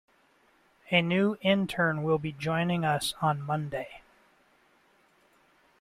A new intern will be joining us on Monday.